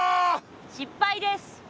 失敗です。